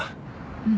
うん。